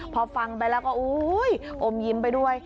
พอฟังไปแล้วก็อมยิ้มไปด้วย